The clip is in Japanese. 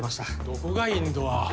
どこがインドア派？